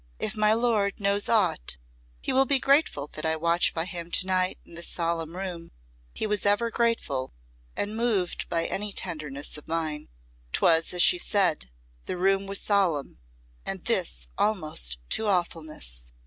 If my lord knows aught, he will be grateful that I watch by him to night in this solemn room. He was ever grateful, and moved by any tenderness of mine." 'Twas as she said, the room was solemn, and this almost to awfulness.